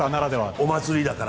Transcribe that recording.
お祭りだから。